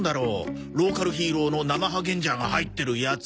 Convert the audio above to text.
ローカルヒーローのナマハゲンジャーが入ってるやつ。